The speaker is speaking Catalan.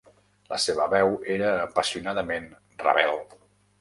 La seva veu era apassionadament rebel.